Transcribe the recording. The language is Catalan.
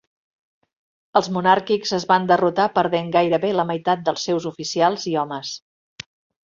Els monàrquics es van derrotar, perdent gairebé la meitat dels seus oficials i homes.